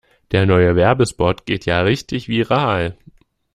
Der neue Werbespot geht ja richtig viral.